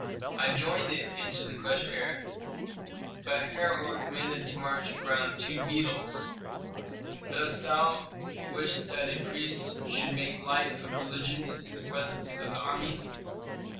"I joined it," answered the crushed heir; "but Herhor commanded to march around two beetles." "Dost thou wish that a priest should make light of religion in the presence of the army?"